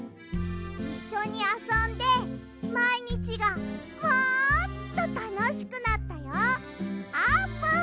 いっしょにあそんでまいにちがもっとたのしくなったよあーぷん！